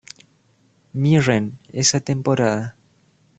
Mirren esa temporada.